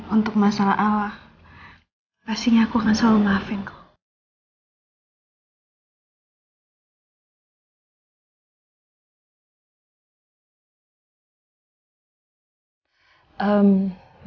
untuk masalah al pastinya aku akan selalu maafin kamu